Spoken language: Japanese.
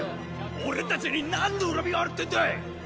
俺たちになんの恨みがあるってんだい！